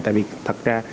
tại vì thật ra